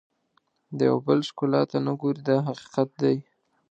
د یو بل ښکلا ته نه ګوري دا حقیقت دی.